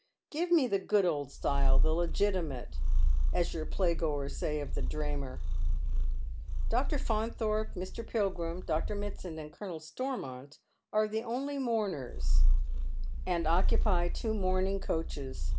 " Give me the good old style — the legitimate, ae your playgoers say of the draymer." Dr. Faunthorpe, Mr. Pilgiim, Dr. Mitsand, and Colonel Stor mont are the only mourners, and occupy two mourning coaches.